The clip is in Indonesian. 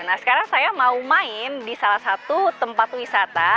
nah sekarang saya mau main di salah satu tempat wisata